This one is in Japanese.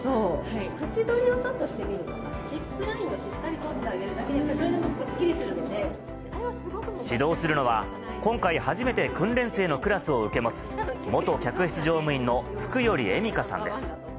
縁取りをちょっとしてみるとか、リップラインをしっかり取ってあげるだけで、それでもくっきりす指導するのは、今回、初めて訓練生のクラスを受け持つ、元客室乗務員の福頼恵美加さんです。